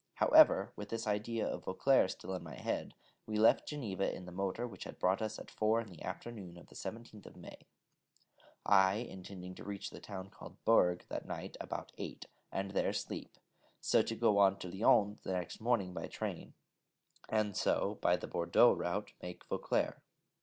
However, with this idea of Vauclaire still in my head, we left Geneva in the motor which had brought us at four in the afternoon of the 17th May, I intending to reach the town called Bourg that night about eight, and there sleep, so to go on to Lyons the next morning by train, and so, by the Bordeaux route, make Vauclaire.